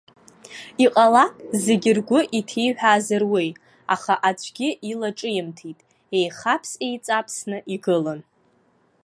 Иҟалап зегь ргәы иҭиҳәаазар уи, аха аӡәгьы илаҿимҭит, еихаԥс-еиҵаԥсы игылан.